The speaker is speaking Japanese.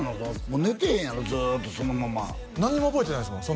もう寝てへんやろずっとそのまま何も覚えてないですもん